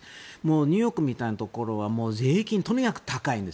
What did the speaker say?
ニューヨークみたいなところは税金がとにかく高いんです。